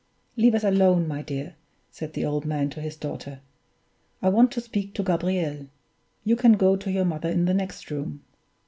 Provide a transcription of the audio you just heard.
"Leave us alone, my dear," said the old man to his daughter; "I want to speak to Gabriel. You can go to your mother in the next room."